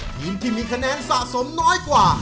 ทีมที่มีคะแนนสะสมน้อยกว่า